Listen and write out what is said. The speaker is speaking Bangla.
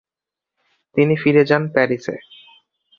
তিনি ফিরে যান প্যারিসে।